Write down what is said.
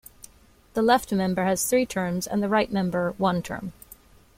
The left member has three terms and the right member one term.